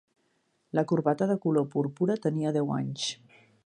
La corbata de color púrpura tenia deu anys.